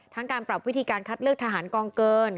การปรับวิธีการคัดเลือกทหารกองเกิน